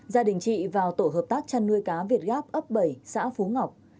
gia đình chị vào tổ hợp tác chăn nuôi cá việt gáp ấp bảy xã phú ngọc